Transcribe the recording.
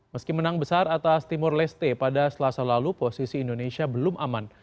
meski menang besar atas timur leste pada selasa lalu posisi indonesia belum aman